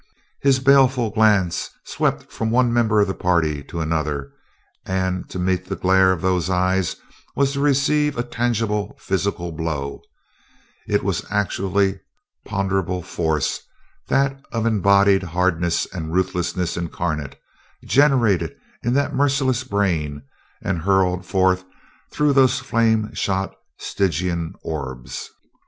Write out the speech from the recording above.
His baleful gaze swept from one member of the party to another, and to meet the glare of those eyes was to receive a tangible physical blow it was actually ponderable force; that of embodied hardness and of ruthlessness incarnate, generated in that merciless brain and hurled forth through those flame shot, Stygian orbs.